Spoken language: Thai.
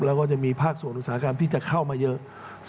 แล้วก็จะมีภาครวงศาลการ์มที่จะเข้ามาเยอะ